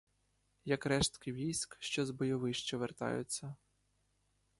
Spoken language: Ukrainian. Як рештки військ, що з бойовища вертаються.